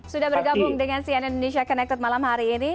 sudah bergabung dengan cn indonesia connected malam hari ini